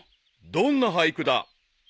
［どんな俳句だ］